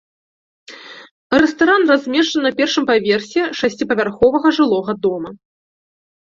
Рэстаран размешчаны на першым паверсе шасціпавярховага жылога дома.